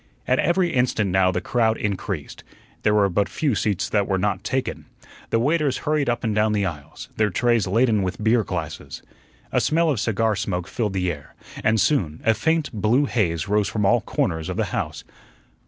At every instant now the crowd increased; there were but few seats that were not taken. The waiters hurried up and down the aisles, their trays laden with beer glasses. A smell of cigar smoke filled the air, and soon a faint blue haze rose from all corners of the house.